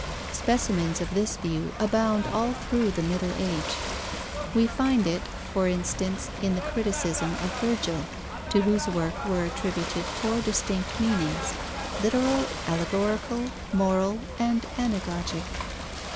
Specimens of this view abound all through the Middle Age. We find it, for instance, in the criticism of Virgil, to whose work were attributed four distinct meanings: literal, allegorical, moral, and anagogic.